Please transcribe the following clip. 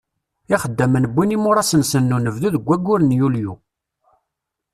Ixeddamen wwin imuras-nsen n unebdu deg waggur n Yulyu.